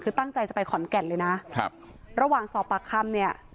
คือตั้งใจจะไปขอนแก่นเลยนะครับระหว่างสอบปากคำเนี่ย